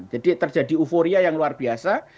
jadi terjadi euforia yang luar biasa